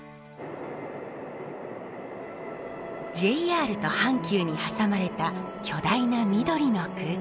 ＪＲと阪急に挟まれた巨大な緑の空間。